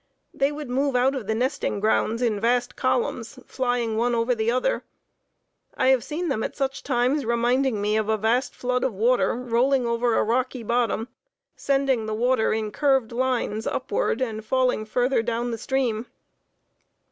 They would move out of the nesting grounds in vast columns, flying one over the other. I have seen them at such times reminding me of a vast flood of water rolling over a rocky bottom, sending the water in curved lines upwards and falling farther down the stream.